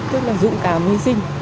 tức là dũng cảm hy sinh